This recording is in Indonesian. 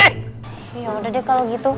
iya udah deh kalau gitu